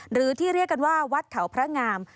หรือที่เรียกกันว่าวัดเขาพระงาม